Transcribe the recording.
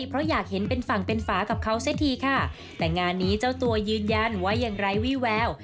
เพราะอยากเห็นเป็นฝั่งเป็นฝากับเขาซะทีค่ะแต่งานนี้เจ้าตัวยืนยันว่ายังไร้วี่แวว